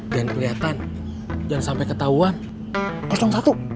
jangan kelihatan jangan sampai ketahuan